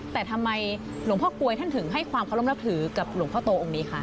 แต่ทำไมหลวงพ่อกลวยท่านถึงให้ความเคารพนับถือกับหลวงพ่อโตองค์นี้คะ